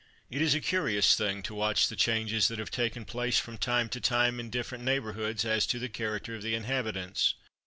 It is a curious thing to watch the changes that have taken place from time to time in different neighbourhoods as to the character of the inhabitants.